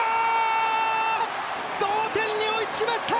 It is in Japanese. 同点に追いつきました！